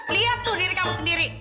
lihat tuh diri kamu sendiri